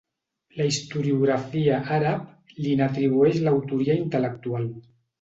La historiografia àrab li n'atribueix l'autoria intel·lectual.